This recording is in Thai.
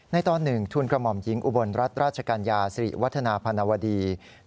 ในตอนหนึ่งทุนกระหม่อมหญิงอุบลรัฐราชกรรยาสรีวัฒนาพนวดี